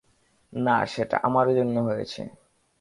না, সেটা আমার জন্য হয়েছে।